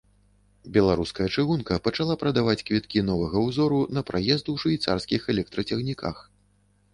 Беларуская чыгунка пачала прадаваць квіткі новага ўзору на праезд у швейцарскіх электрацягніках.